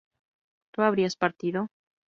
¿tú habrías partido?